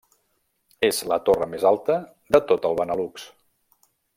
És la torre més alta de tot el Benelux.